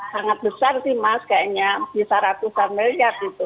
sangat besar sih mas kayaknya bisa ratusan miliar gitu